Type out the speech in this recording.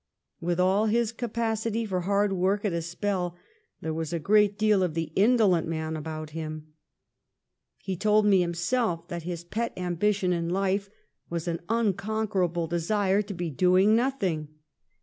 With all his capacity for hard work at a spell, there was a great deal of the indolent man about him. He told me himself that his pet ambition in life was an unconquer able desire to be doing nothing.